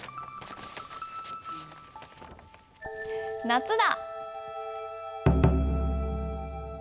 「夏だ」。